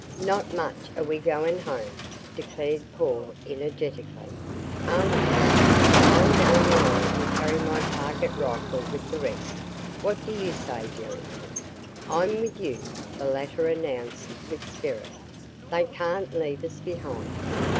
"Not much are we goin' home," declared Paul, energetically; "are we, Jerry? I'm goin' along and carry my target rifle with the rest. What do you say, Jerry?" "I'm with you," the latter announced with spirit. "They can't leave us behind."